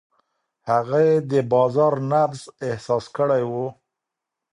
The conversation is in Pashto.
هغې د بازار نبض احساس کړی و.